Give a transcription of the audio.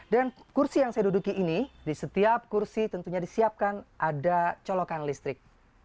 dan kursi yang saya duduki ini di setiap kursi tentunya disiapkan ada colokan listrik